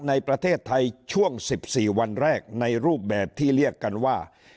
ในประเทศไทยช่วง๑๔วันแรกในรูปแบบที่เรียกกันว่า